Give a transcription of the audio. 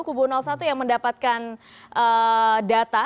kubu satu yang mendapatkan data